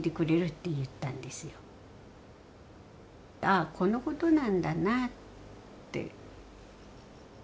あこのことなんだなって。